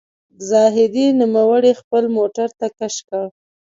زاهدي نوموړی خپل موټر ته کش کړ.